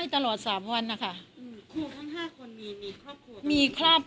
กินโทษส่องแล้วอย่างนี้ก็ได้